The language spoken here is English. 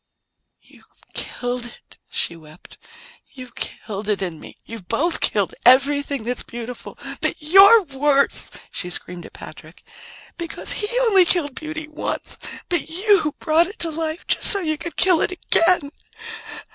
"You've killed it," she wept. "You've killed it in me. You've both killed everything that's beautiful. But you're worse," she screamed at Patrick, "because he only killed beauty once, but you brought it to life just so you could kill it again.